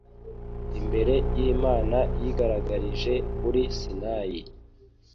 imbere y’Imana yigaragarije kuri Sinayi